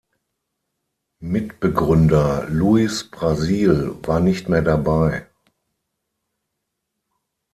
Mitbegründer Luiz Brasil war nicht mehr dabei.